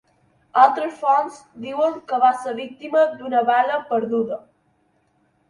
Altres fonts diuen que va ser víctima d'una bala perduda.